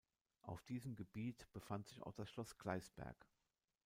Auf diesem Gebiet befand sich auch das Schloss Gleisberg.